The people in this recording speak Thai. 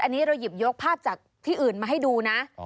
อันนี้เราหยิบยกภาพจากที่อื่นมาให้ดูนะ